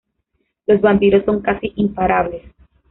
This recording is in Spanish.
Los vampiros son casi imparables.